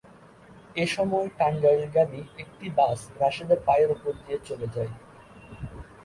এ সময় টাঙ্গাইলগামী একটি বাস রাশেদের পায়ের ওপর দিয়ে চলে যায়।